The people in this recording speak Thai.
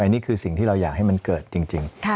นี่คือสิ่งที่เราอยากให้มันเกิดจริง